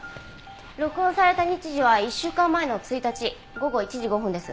録音された日時は１週間前の１日午後１時５分です。